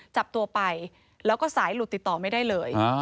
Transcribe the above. จับตัวไปแล้วก็สายหลุดติดต่อไม่ได้เลย